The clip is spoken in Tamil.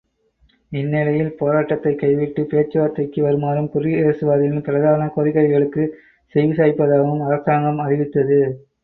இந்நிலையில் போராட்டத்தைக் கைவிட்டு பேச்சுவார்த்தைக்கு வருமாறும் குடியரசுவாதிகளின் பிரதான கோரிக்கைகளுக்குச் செவிசாய்ப்பதாயும் அரசாங்கம் அறிவித்தது.